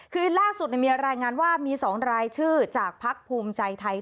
คือล่าสุดมีรายงานว่ามี๒รายชื่อจากภักดิ์ภูมิใจไทย